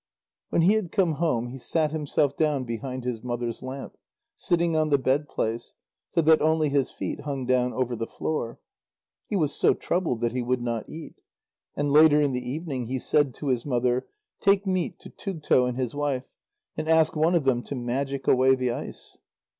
When he had come home, he sat himself down behind his mother's lamp, sitting on the bedplace, so that only his feet hung down over the floor. He was so troubled that he would not eat. And later in the evening, he said to his mother: "Take meat to Tugto and his wife, and ask one of them to magic away the ice."